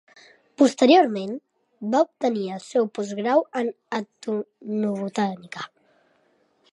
Posteriorment, va obtenir el seu postgrau en etnobotànica.